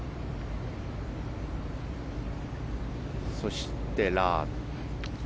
そして、ラーム。